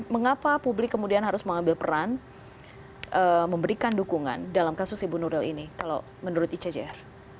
mengapa publik kemudian harus mengambil peran memberikan dukungan dalam kasus ibu nuril ini kalau menurut icjr